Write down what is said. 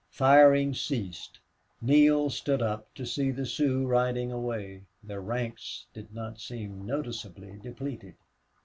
Firing ceased. Neale stood up to see the Sioux riding away. Their ranks did not seem noticeably depleted.